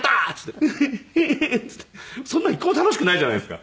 そんなの一個も楽しくないじゃないですか。